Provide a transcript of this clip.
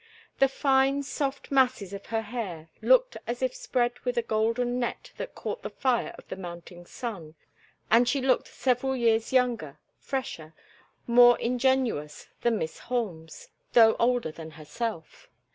The fine, soft masses of her hair looked as if spread with a golden net that caught the fire of the mounting sun, and she looked several years younger, fresher, more ingenuous than Miss Holmes, though older than herself.